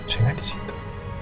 saya gak disitu